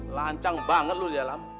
lancang banget lu di alam